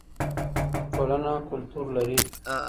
ټولنه کلتور لري.